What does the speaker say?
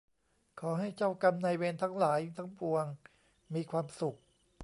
ขอให้เจ้ากรรมนายเวรทั้งหลายทั้งปวงมีความสุข